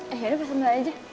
eh yaudah pesan dulu aja